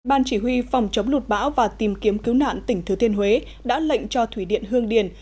ban chỉ huy phòng chống lụt bão và tìm kiếm cứu nạn tỉnh thừa thiên huế đã lệnh cho thủy điện hương điền